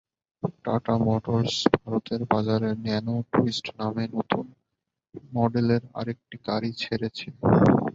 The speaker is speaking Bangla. টাটা মোটরস ভারতের বাজারে ন্যানো টুইস্ট নামে নতুন মডেলের আরেকটি গাড়ি ছেড়েছে।